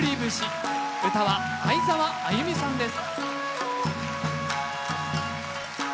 唄は會澤あゆみさんです。